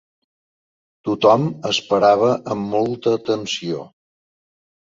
Tothom esperava amb molta atenció.